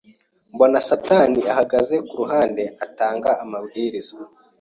mbona satani ahagaze ku ruhande atanga amabwiriza